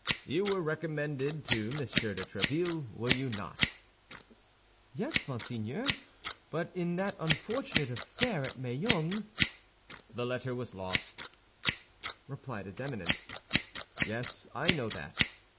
"You were recommended to Monsieur de Tréville, were you not?" "Yes, monseigneur; but in that unfortunate affair at Meung—" "The letter was lost," replied his Eminence; "yes, I know that.